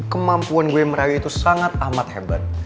kemampuan gue merayu itu sangat amat hebat